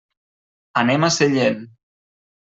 Anem a Sellent.